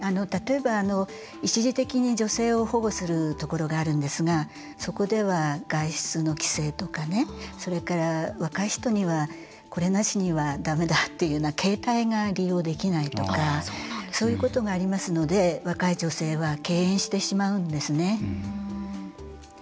例えば、一時的に女性を保護するところがあるんですがそこでは、外出の規制とかそれから、若い人にはこれなしにはだめだっていうような携帯が利用できないとかそういうことがありますので若い女性は敬遠してしまうんですね。